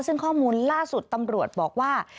ซึ่งข้อมูลล่าสุดตำรวจบอกว่า